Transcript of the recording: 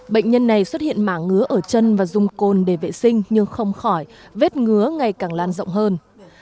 bệnh nhân này xuất hiện mả ngứa ở chân và dùng côn để vệ sinh nhưng không khỏi vết ngứa ngày càng lan rộng hơn